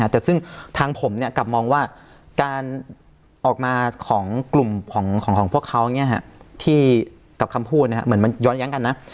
แต่ซึ่งทางผมกลับมองว่าการออกมาของกลุ่มของพวกเขาที่กับคำพูดเหมือนมันย้อนแย้งกันนะ